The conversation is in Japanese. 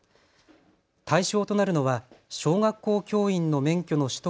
対象となるのは小学校教員の免許の取得